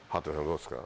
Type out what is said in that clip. どうですか？